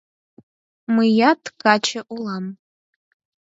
— Мыят каче улам...